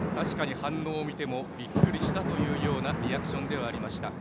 反応を見てもびっくりしたというようなリアクションでした。